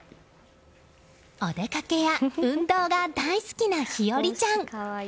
お出かけや運動が大好きな陽和ちゃん。